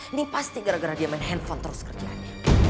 ini pasti gara gara dia main handphone terus kerjanya